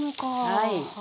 はい。